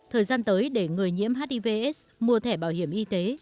thời gian tới để người nhiễm hivs mua thẻ bảo hiểm y tế